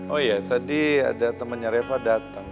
oh iya tadi ada temennya rafa datang